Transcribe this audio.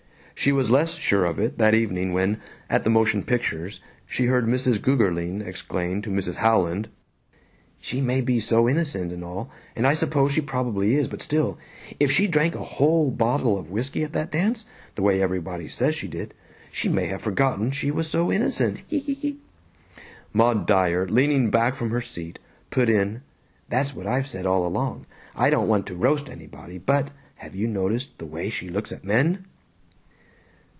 She was less sure of it that evening when, at the motion pictures, she heard Mrs. Gougerling exclaim to Mrs. Howland, "She may be so innocent and all, and I suppose she probably is, but still, if she drank a whole bottle of whisky at that dance, the way everybody says she did, she may have forgotten she was so innocent! Hee, hee, hee!" Maud Dyer, leaning back from her seat, put in, "That's what I've said all along. I don't want to roast anybody, but have you noticed the way she looks at men?"